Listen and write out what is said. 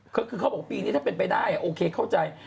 ก็คือเขาบอกปีนี้ถ้าเป็นไปได้โอเคเข้าใจ